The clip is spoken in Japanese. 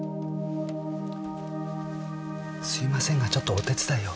すいませんがちょっとお手伝いを。